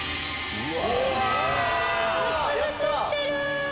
グツグツしてる！